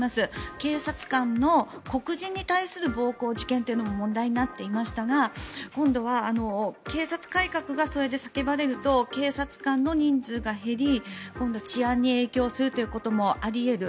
警察官の黒人に対する暴行事件というのも問題になっていましたが今度は警察改革がそれで叫ばれると警察官の人数が減り今度、治安に影響するということもあり得る。